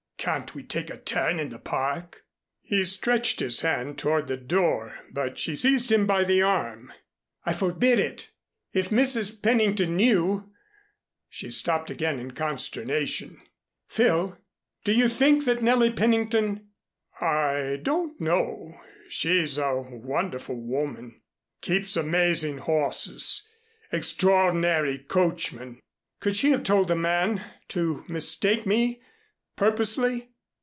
Can't we take a turn in the Park?" He stretched his hand toward the door, but she seized him by the arm. "I forbid it. If Mrs. Pennington knew " she stopped again in consternation. "Phil! Do you think that Nellie Pennington " "I don't know. She's a wonderful woman keeps amazing horses extraordinary coachmen " "Could she have told the man to mistake me purposely?"